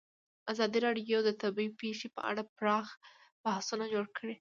ازادي راډیو د طبیعي پېښې په اړه پراخ بحثونه جوړ کړي.